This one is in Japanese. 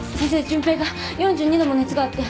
純平が４２度も熱があって。